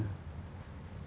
waktu ditagih iuran keamanan